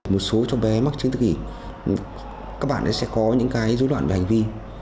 một số chồng bé mắc chứng tự kỷ các bạn sẽ có những cái dối đoạn về hành vi